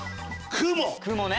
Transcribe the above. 雲ね。